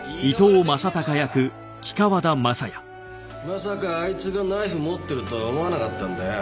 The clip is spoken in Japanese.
まさかあいつがナイフ持ってるとは思わなかったんだよ。